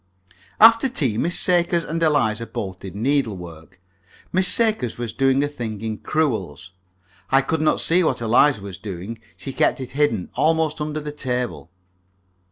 After tea Miss Sakers and Eliza both did needlework. Miss Sakers was doing a thing in crewels. I could not see what Eliza was doing. She kept it hidden, almost under the table.